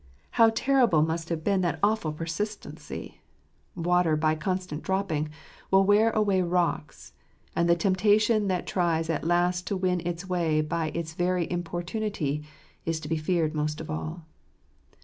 How terrible must have been that awful 39 %\jt Secret cf jffciorg. persistency ! Water, by constant dropping, will wear away rocks ; and the temptation that tries at last to win its way by its very importunity is to be feared most of all.